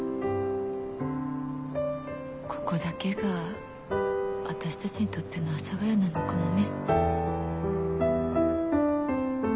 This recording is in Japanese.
ここだけが私たちにとっての阿佐ヶ谷なのかもね。